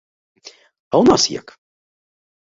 А ў нас як?